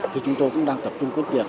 thì chúng tôi cũng đang tập trung cốt tiệc